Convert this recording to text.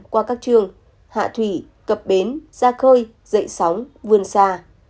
qua các trường hạ thủy cập bến ra khơi dậy sóng vươn xa